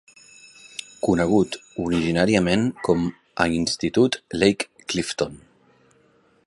Conegut originàriament com a "Institut Lake Clifton".